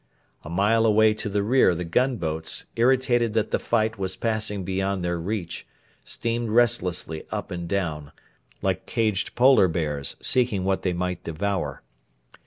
A mile away to the rear the gunboats, irritated that the fight was passing beyond their reach, steamed restlessly up and down, like caged Polar bears seeking what they might devour.